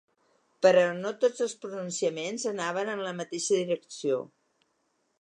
Però no tots els pronunciaments anaven en la mateixa direcció.